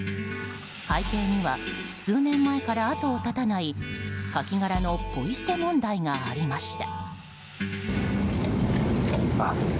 背景には数年前から後を絶たないカキ殻のポイ捨て問題がありました。